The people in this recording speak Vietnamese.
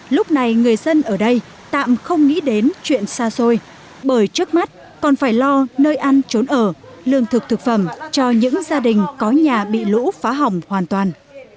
lúc này người dân ở đây tạm không nghĩ đến chuyện xa xôi bởi trước mắt còn phải lo nơi ăn trốn ở lương thực thực phẩm cho những gia đình có nhà bị lũ phá hỏng hoàn toàn